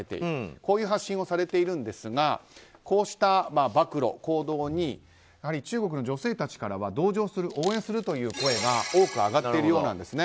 こういう発信をされているんですがこうした暴露、行動に中国の女性たちからは応援するという声が多く上がっているようなんです。